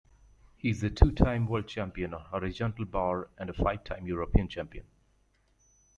He is a two-time World Champion on horizontal bar and a five-time European Champion.